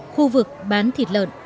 khu vực bán thịt lợn